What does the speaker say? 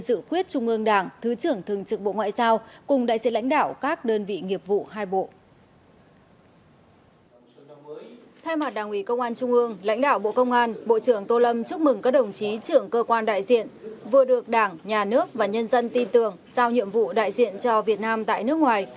vừa được đảng nhà nước và nhân dân tin tưởng giao nhiệm vụ đại diện cho việt nam tại nước ngoài